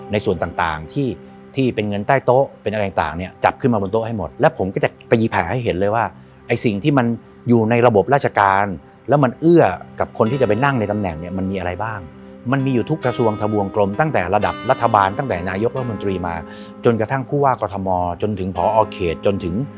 ในส่วนต่างที่ที่เป็นเงินใต้โต๊ะเป็นอะไรต่างเนี่ยจับขึ้นมาบนโต๊ะให้หมดแล้วผมก็จะตีแผนให้เห็นเลยว่าไอ้สิ่งที่มันอยู่ในระบบราชการแล้วมันเอื้อกับคนที่จะไปนั่งในตำแหน่งเนี่ยมันมีอะไรบ้างมันมีอยู่ทุกกระทรวงทะบวงกลมตั้งแต่ระดับรัฐบาลตั้งแต่นายกรัฐมนตรีมาจนกระทั่งผู้ว่ากรทมจนถึงพอเขตจนถึง